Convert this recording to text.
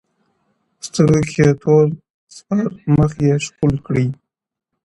سترگي يې توري ـپر مخ يې ښكل كړه ـ